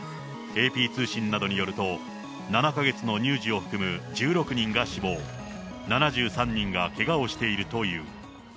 ＡＰ通信などによると、７か月の乳児を含む１６人が死亡、７３人がけがをしているという。